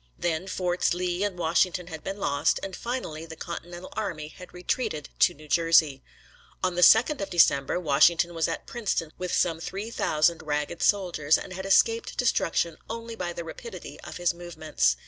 Then Forts Lee and Washington had been lost, and finally the Continental army had retreated to New Jersey. On the second of December Washington was at Princeton with some three thousand ragged soldiers, and had escaped destruction only by the rapidity of his movements.